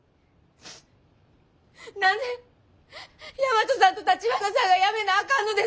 何で大和さんと橘さんがやめなあかんのですか！？